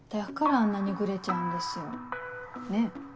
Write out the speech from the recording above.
あんなにグレちゃうんですよ。ねぇ？